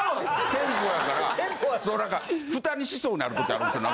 テンポやから何か蓋にしそうになる時あるんですよ。